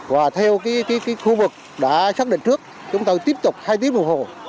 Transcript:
và theo khu vực đã xác định trước chúng tôi tiếp tục hai tiếng đồng hồ